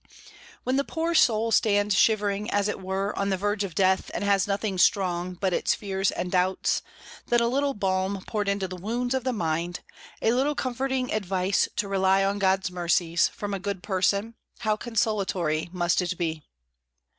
When the poor soul stands shivering, as it were, on the verge of death, and has nothing strong, but its fears and doubts; then a little balm poured into the wounds of the mind, a little comforting advice to rely on God's mercies, from a good person, how consolatory must it be!